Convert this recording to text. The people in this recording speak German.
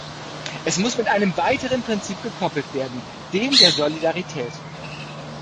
Es muss mit einem weiteren Prinzip gekoppelt werden dem der Solidarität.